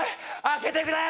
開けてくれ！